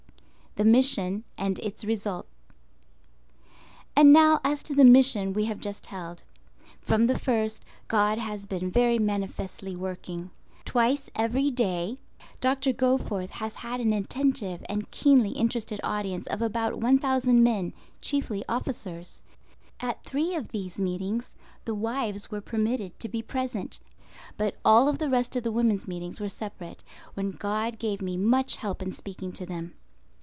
THE MISSION AND ITS RESULT. And now as to the "Mission" we have just held. From the first, God has been very manifestly working. Twice every day Dr. Goforth has had an attentive and keenly interested audience of about 1,000 men, chiefly officers. At three of these meetings the wives were permitted to be present; but all the rest of the women's meetings were separate, when God gave me much help in speaking to them.